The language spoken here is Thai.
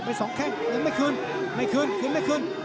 เป็น๒แค่งยังไม่คืนไม่คืนคืนไม่คืน